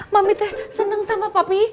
mami tuh seneng sama papi